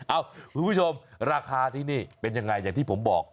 คุณผู้ชมราคาที่นี่เป็นยังไงอย่างที่ผมบอก